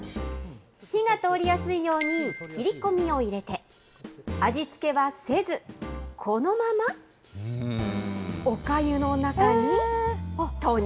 火が通りやすいように切り込みを入れて、味付けはせず、このまま、おかゆの中に投入。